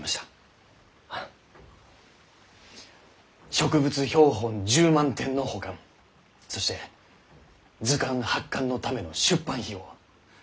植物標本１０万点の保管そして図鑑発刊のための出版費用